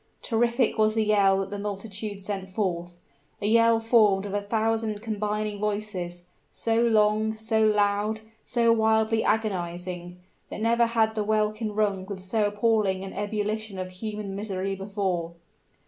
Terrific was the yell that the multitude sent forth a yell formed of a thousand combining voices, so long, so loud, so wildly agonizing, that never had the welkin rung with so appalling an ebullition of human misery before!